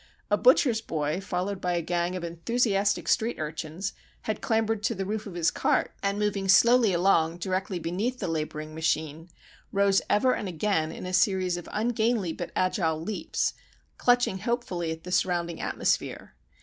A butcher's boy, followed by a gang of enthusiastic street urchins, had clambered to the roof of his cart, and moving slowly along directly beneath the labouring machine, rose ever and again in a series of ungainly but agile leaps, clutching hopefully at the surrounding atmosphere.